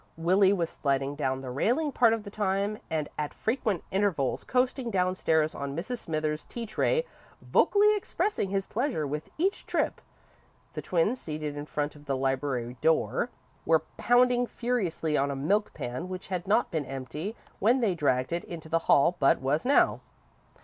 Willie was sliding down the railing part of the time, and at frequent intervals coasting downstairs on Mrs. Smithers's tea tray, vocally expressing his pleasure with each trip. The twins, seated in front of the library door, were pounding furiously on a milk pan, which had not been empty when they dragged it into the hall, but was now.